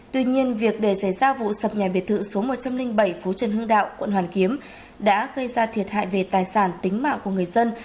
tuy nhiên việc để xảy ra vụ sập nhà biệt thự số một trăm linh bảy phố trần hưng đạo quận hoàn kiếm đã gây ra thiệt hại về tài sản tính mạng của người dân